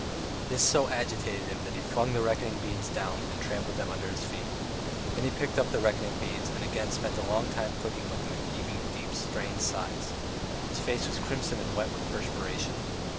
This so agitated him that he flung the reckoning beads down, and trampled them under his feet. Then he picked up the reckoning beads, and again spent a long time clicking with them and heaving deep, strained sighs. His face was crimson and wet with perspiration.